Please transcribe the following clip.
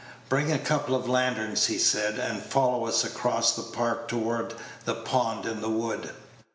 "Bring a couple of lanterns," he said: "and follow us across the Park toward the pond in the wood."